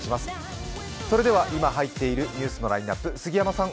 今入っているニュースのラインナップ、杉山さん